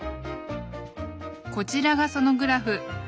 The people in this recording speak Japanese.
こちらがそのグラフ。